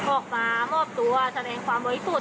ออกมามอบตัวแสดงความบริสุทธิ์